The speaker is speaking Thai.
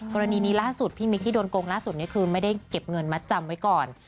กรณีนี้ล่าสุดพี่มิ๊กที่โดนโกงล่าสุดนี้คือไม่ได้เก็บเงินมัดจำไว้ก่อน